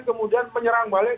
kemudian menyerang balik